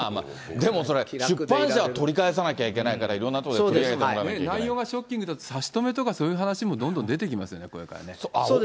でもそれ、出版社は取り返さなきゃいけないから、内容がショッキングだと差し止めとかそういう話もどんどん出てきますよね、これからね。